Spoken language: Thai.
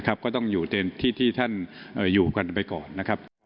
ก็ต้องอยู่ที่ท่านอยู่กันไปก่อน